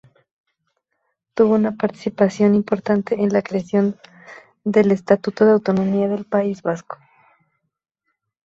Tuvo una participación importante en la creación del Estatuto de Autonomía del País Vasco.